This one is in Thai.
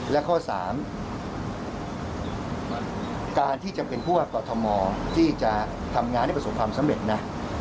และข้อ๓การที่จะเป็นผู้ว่ากอทมที่จะทำงานให้ประสบความสำเร็จนะ